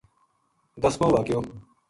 دسمو واقعو